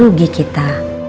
jadi rugi kita